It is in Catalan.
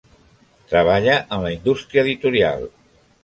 Treballa en la indústria editorial.